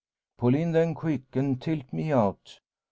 "Pull in, then, quick, and tilt me out!